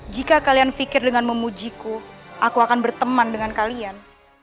jika kalian fikir dengan memujiku aku akan berteman dengan kalian